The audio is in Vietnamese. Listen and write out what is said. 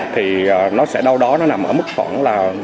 thì nó sẽ đâu đó nằm ở mức khoảng